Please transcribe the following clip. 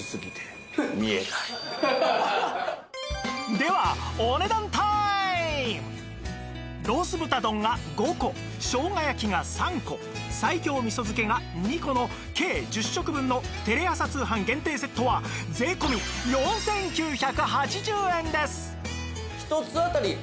ではロース豚丼が５個生姜焼きが３個西京味噌漬けが２個の計１０食分のテレ朝通販限定セットは税込４９８０円です